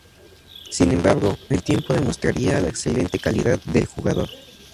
Sin embargo, el tiempo demostraría la excelente calidad del jugador.